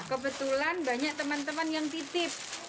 kebetulan banyak teman teman yang titip